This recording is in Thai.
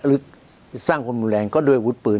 หรือสร้างความรุนแรงก็ด้วยวุฒิปืน